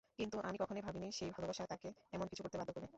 কিন্তু আমি কখনই ভাবিনি সেই ভালোবাসা তাকে এমন কিছু করতে বাধ্য করবে।